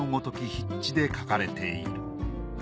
筆致で描かれている。